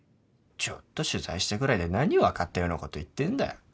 ちょっと取材したぐらいで何分かったようなこと言ってんだよ。